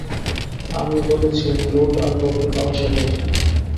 আমি বলেছি রুট আর গবলিন, ওরা সেটাই।